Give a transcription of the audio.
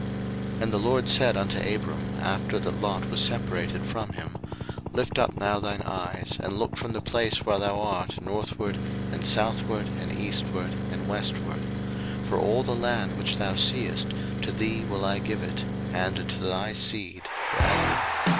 01:013:014 And the LORD said unto Abram, after that Lot was separated from him, Lift up now thine eyes, and look from the place where thou art northward, and southward, and eastward, and westward: 01:013:015 For all the land which thou seest, to thee will I give it, and to thy seed for ever.